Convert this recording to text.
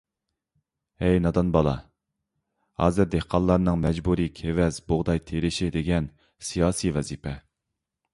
ھەي نادان بالا، ھازىر دېھقانلارنىڭ مەجبۇرىي كېۋەز، بۇغداي تېرىشى دېگەن سىياسىي ۋەزىپە.